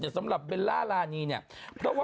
แบบสุดสำหรับเบลล่าลานีเนี่ย